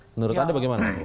menurut anda bagaimana